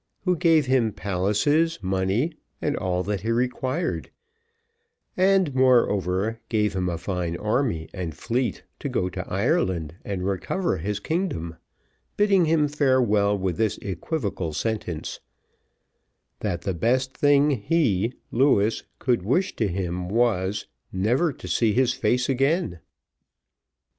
who gave him palaces, money, and all that he required, and, moreover, gave him a fine army and fleet to go to Ireland and recover his kingdom, bidding him farewell with this equivocal sentence, "That the best thing he, Louis, could wish to him was, never to see his face again."